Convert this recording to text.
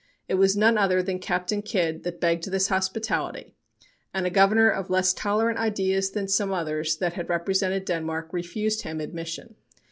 It was none other than Captain Kidd that begged this hospitality, and a governor of less tolerant ideas than some others that had represented Denmark refused him admission.